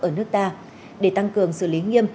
ở nước ta để tăng cường xử lý nghiêm